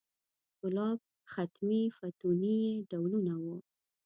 ګلاب، ختمي، فتوني یې ډولونه و.